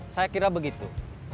saya kira begitu